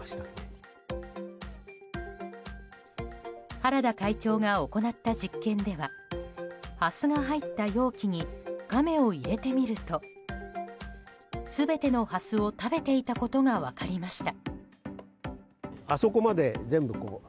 原田会長が行った実験ではハスが入った容器にカメを入れてみると全てのハスを食べていたことが分かりました。